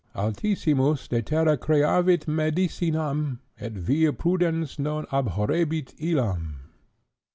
Altissimus de terra creavit medicinam, et vir prudens non abhorrebit illam.